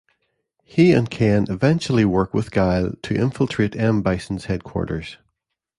He and Ken eventually work with Guile to infiltrate M. Bison's headquarters.